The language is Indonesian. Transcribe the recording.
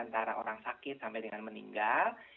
karena orang sakit sampai dengan meninggal